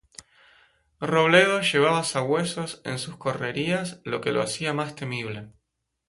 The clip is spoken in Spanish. Robledo llevaba sabuesos en sus correrías, lo que lo hacía más temible.